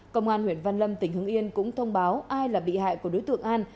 công an huyện văn lâm tỉnh hưng yên cũng thông báo ai là bị hại của đối tượng an